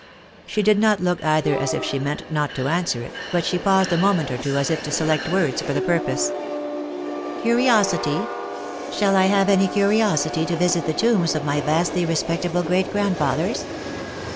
She did not look either as if she meant not to answer it, but she paused a moment or two as if to select words for the purpose. " Curiosity ? Shall I have any curiosity to visit the tombs of my vastly respectable great grandfathers